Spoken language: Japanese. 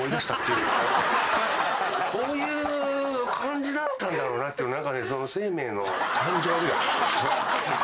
こういう感じだったんだろうなって何かね。